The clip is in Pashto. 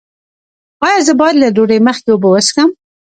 ایا زه باید له ډوډۍ مخکې اوبه وڅښم؟